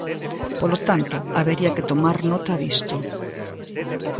Polo tanto, habería que tomar nota disto.